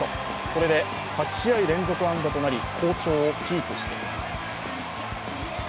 これで８試合連続安打となり好調をキープしています。